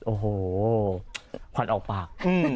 โอ้โหควันออกปาก